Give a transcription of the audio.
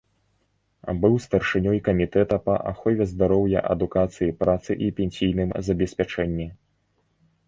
Быў старшынёй камітэта па ахове здароўя, адукацыі, працы і пенсійным забеспячэнні.